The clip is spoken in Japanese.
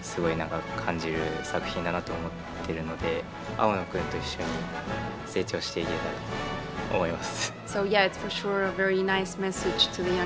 青野くんと一緒に成長していけたらと思います。